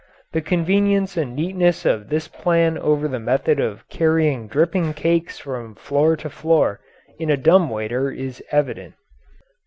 The convenience and neatness of this plan over the method of carrying dripping cakes from floor to floor in a dumb waiter is evident.